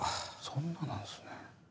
そんななんすね。